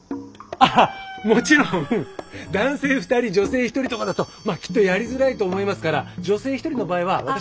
ああもちろん男性２人女性１人とかだときっとやりづらいと思いますから女性１人の場合は私。